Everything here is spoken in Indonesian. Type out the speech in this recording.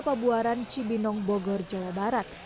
pabuaran cibinong bogor jawa barat